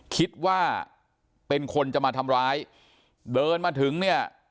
คิดว่าเป็นคนจะมาทำร้ายเดินมาถึงเนี่ย